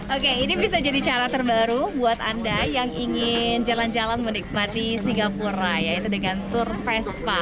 oke ini bisa jadi cara terbaru buat anda yang ingin jalan jalan menikmati singapura yaitu dengan tur vespa